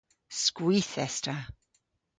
Skwith es ta.